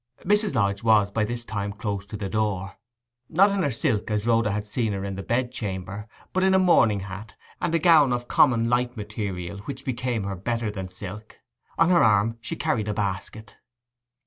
Mrs. Lodge was by this time close to the door—not in her silk, as Rhoda had seen her in the bed chamber, but in a morning hat, and gown of common light material, which became her better than silk. On her arm she carried a basket.